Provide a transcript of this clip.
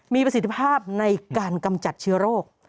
มีประสิทธิภาพในการกำจัดเชื้อโรค